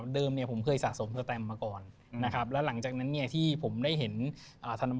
เดิมเนี่ยผมเคยสะสมสเต็มมาก่อนนะครับ